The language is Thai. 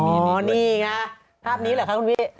นี่ไงภาพนี้แหละครับคุณพี่